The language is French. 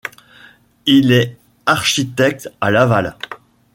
Il est architecte à Laval.